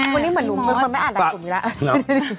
วันนี้เหมือนหนูเป็นคนไม่อ่านหลายกลุ่มอยู่แล้ว